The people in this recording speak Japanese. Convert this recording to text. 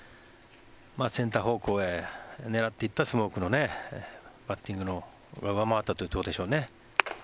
センター方向へ狙っていったスモークのバッティングが上回ったというところでしょうね。